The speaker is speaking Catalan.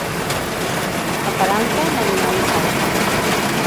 A Peralta, la guineu hi salta.